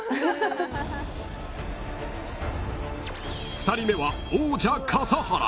［２人目は王者笠原］